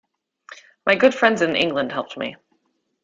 My good friends in England helped me.